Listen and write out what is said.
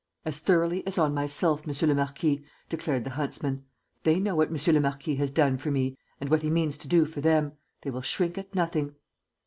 "As thoroughly as on myself, monsieur le marquis," declared the huntsman. "They know what monsieur le marquis has done for me and what he means to do for them. They will shrink at nothing."